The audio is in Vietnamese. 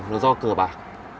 nó do cờ bạc